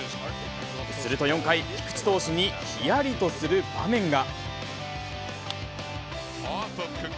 すると４回、菊池投手にひやりとする場面が。